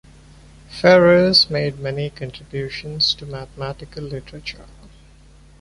Ferrers made many contributions to mathematical literature.